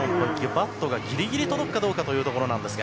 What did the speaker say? バットがギリギリ届くかというところですが。